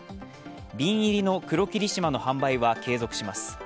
瓶入りの黒霧島の販売は継続します。